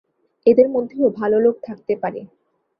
এদের মধ্যেও ভাল লোক থাকতে পারে।